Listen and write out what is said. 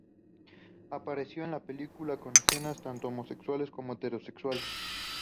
Apareció en películas con escenas tanto homosexuales como heterosexuales.